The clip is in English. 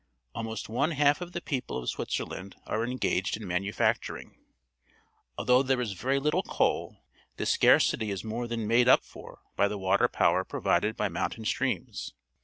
Almost one half of the people of Switzer land are engaged in manufacturing. Al though there is very little coal, this scarcity is more than made up for by the water power provided by mountain streams.